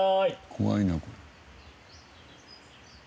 怖いなこれ。